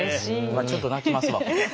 うわちょっと泣きますわこれ。